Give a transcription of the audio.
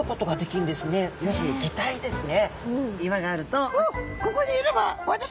要するに擬態ですね。